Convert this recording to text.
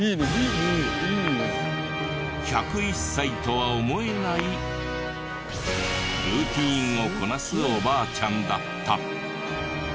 １０１歳とは思えないルーチンをこなすおばあちゃんだった。